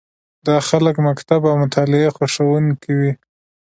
دا خلک د مکتب او مطالعې خوښوونکي وي.